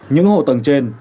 những hộ tầng trên